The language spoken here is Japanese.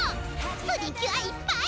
プリキュアいっぱい！